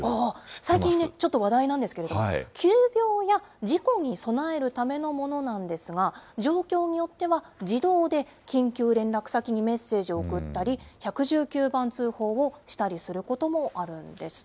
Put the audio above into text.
最近ね、ちょっと話題なんですけれども、急病や事故に備えるためのものなんですが、状況によっては、自動で緊急連絡先にメッセージを送ったり、１１９番通報をしたりすることもあるんですね。